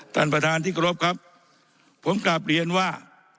ท่านประธานที่กรบครับผมกลับเรียนว่า